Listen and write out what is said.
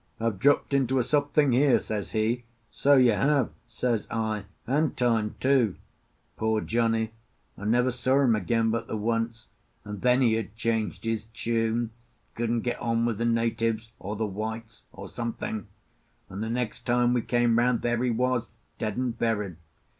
'I've dropped into a soft thing here,' says he.—'So you have,' says I, 'and time too!' Poor Johnny! I never saw him again but the once, and then he had changed his tune—couldn't get on with the natives, or the whites, or something; and the next time we came round there he was dead and buried.